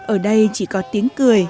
ở đây chỉ có tiếng cười